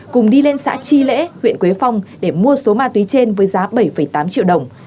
cùng đi lên xã chi lễ huyện quế phong để mua số ma túy trên với giá bảy tám triệu đồng